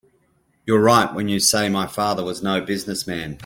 You're right when you say my father was no business man.